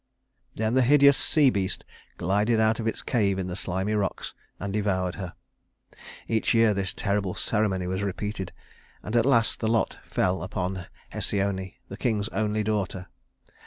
Then the hideous sea beast glided out of its cave in the slimy rocks and devoured her. Each year this terrible ceremony was repeated, and at last the lot fell upon Hesione, the king's only daughter.